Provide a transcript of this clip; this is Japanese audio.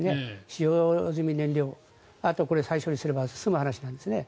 使用済み燃料、あと再処理すれば済む話なんですね。